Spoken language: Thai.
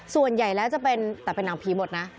ส่วนใหญ่แล้วจะเป็นแต่เป็นหนังผีหมดนะ